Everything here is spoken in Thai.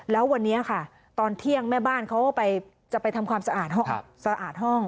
แล้ววันนี้ค่ะตอนเที่ยงแม่บ้านเขาจะไปทำความสะอาดห้องสะอาดห้อง